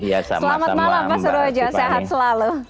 selamat malam pak surojo sehat selalu